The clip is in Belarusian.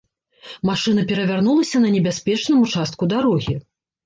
Машына перавярнулася на небяспечным участку дарогі.